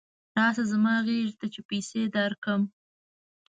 راشه زما غېږې ته چې پیسې درکړم.